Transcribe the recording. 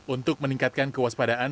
untuk meningkatkan kewaspadaan